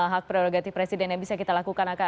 hak prerogatif presiden yang bisa kita lakukan